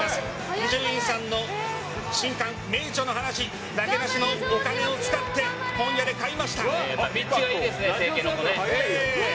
伊集院さんの新刊、名著の話なけなしのお金を使って本屋で買いました。